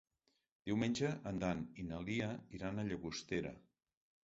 Diumenge en Dan i na Lia iran a Llagostera.